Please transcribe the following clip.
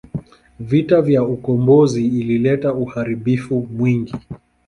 Vita ya ukombozi ilileta uharibifu mwingi.